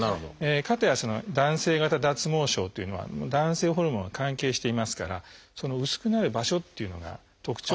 かたや男性型脱毛症というのは男性ホルモンが関係していますから薄くなる場所っていうのが特徴があるんですね。